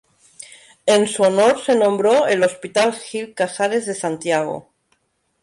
En su honor se nombró el Hospital Gil Casares de Santiago.